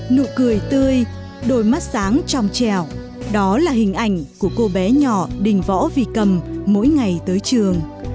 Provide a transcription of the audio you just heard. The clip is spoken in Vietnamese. nụ cười tươi đôi mắt sáng trong trèo đó là hình ảnh của cô bé nhỏ đình võ vì cầm mỗi ngày tới trường